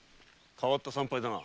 変わった参拝だな？